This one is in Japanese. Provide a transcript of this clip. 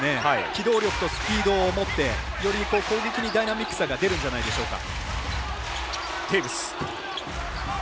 機動力、スピードをもって攻撃にダイナミックさが出るんじゃないでしょうか。